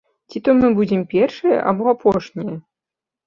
Ці то мы будзем першыя, або апошнія?